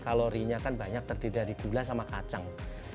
kalorinya kan banyak terdiri dari gula sama kacang